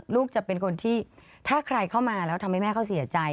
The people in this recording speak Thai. ลูกจะเป็นคนที่ถ้าใครเข้ามาแล้วทำให้แม่เขาเสียใจ